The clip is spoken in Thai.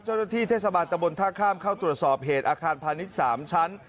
เจ้าหน้าที่เทศบาลตะบนท่าข้ามเข้าตรวจสอบเหตุอาคารพาณิชย์๓ชั้น